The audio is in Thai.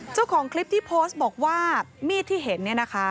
เจ้าของคลิปที่โพสต์บอกว่ามีดที่เห็นเนี่ยนะคะ